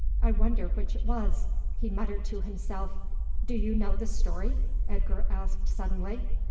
I wonder which it was," he muttered to himself. "Do you know the story?" Edgar asked suddenly.